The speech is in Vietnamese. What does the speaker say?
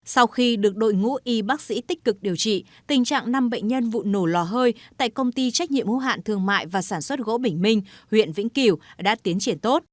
sau khi được đội ngũ y bác sĩ tích cực điều trị tình trạng năm bệnh nhân vụ nổ lò hơi tại công ty trách nhiệm hữu hạn thương mại và sản xuất gỗ bình minh huyện vĩnh cửu đã tiến triển tốt